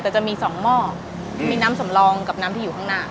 แต่จะมี๒หม้อมีน้ำสำรองกับน้ำที่อยู่ข้างหน้า